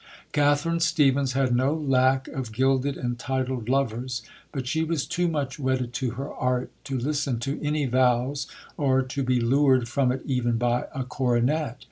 Catherine Stephens had no lack of gilded and titled lovers; but she was too much wedded to her art to listen to any vows or to be lured from it even by a coronet.